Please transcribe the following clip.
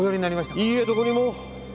いいえどこにも。